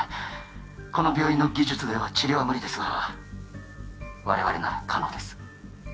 この病院の技術では治療は無理ですが我々なら可能です